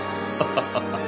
ハハハハ。